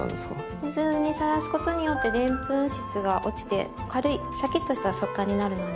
水にさらすことによってでんぷん質が落ちて軽いシャキッとした食感になるので。